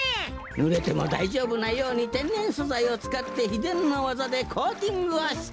ぬれてもだいじょうぶなようにてんねんそざいをつかってひでんのわざでコーティングをして。